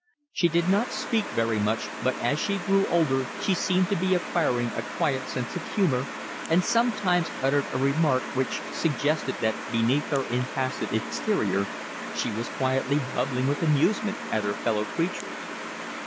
She did not speak very much, but as she grew older she seemed to be acquiring a quiet sense of humour, and sometimes uttered a remark which suggested that beneath her impassive exterior she was quietly bubbling with amusement at her fellow creatures.